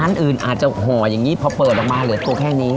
อันอื่นอาจจะห่ออย่างนี้พอเปิดออกมาเหลือตัวแค่นี้